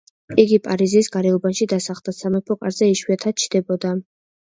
იგი პარიზის გარეუბანში დასახლდა და სამეფო კარზე იშვიათად ჩნდებოდა.